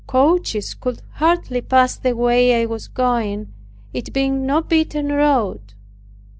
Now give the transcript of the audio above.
Coaches could hardly pass the way I was going, it being no beaten road."